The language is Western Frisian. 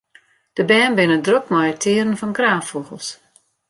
De bern binne drok mei it tearen fan kraanfûgels.